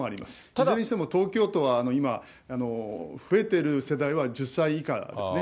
いずれにしても東京都は今、増えている世代は１０歳以下ですね。